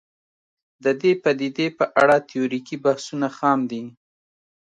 د دې پدیدې په اړه تیوریکي بحثونه خام دي